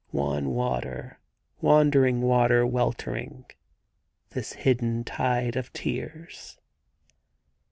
Wan water, wandering water weltering. This hidden tide of tears.'